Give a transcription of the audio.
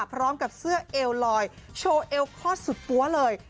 พร้อมกับเสื้อเอวลอยโชว์เอลคลอดสุดปั๊วเลย